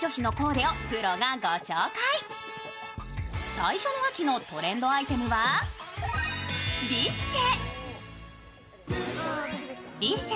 最初の秋のトレンドアイテムは、ビスチェ。